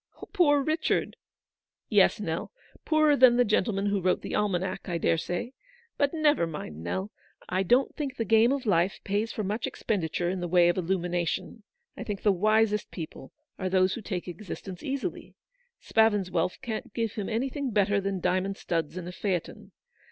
" Poor Richard !" '•'Yes, Nell, poorer than the gentleman who wrote the almanack, I dare say. But never mind, Nell. I don't think the game of life pays for much expenditure in the way of illumination. I think the wisest people are those who take exist ence easily. Spavin's wealth can't give him any thing better than diamond studs and a phaeton.